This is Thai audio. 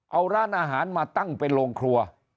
เอาร้านอาหารมาตั้งเป็นโรงครัว